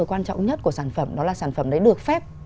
quan trọng nhất của sản phẩm đó là sản phẩm đấy được phép